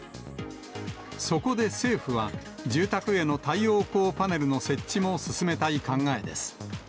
そこで政府は、住宅への太陽光パネルの設置も進めたい考えです。